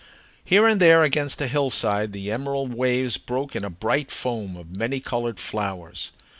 Here and there against a hillside the emerald waves broke in a bright foam of many colored flowers.